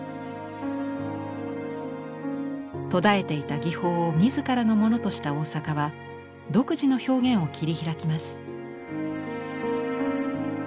途絶えていた技法を自らのものとした大坂は独自の表現を切り開きます。